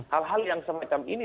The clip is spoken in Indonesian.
hal hal yang semacam ini